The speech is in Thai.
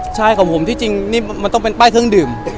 ใช่ของผมที่จริงนี่มันต้องเป็นป้ายเครื่องดื่ม